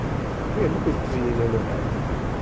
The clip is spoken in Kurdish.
Tu yê bikûzkizînî neynokan.